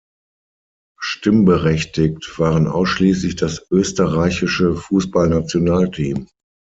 Stimmberechtigt waren ausschließlich das österreichische Fußballnationalteam.